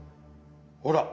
ほら！